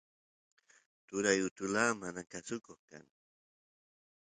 turay utula manakusuko kan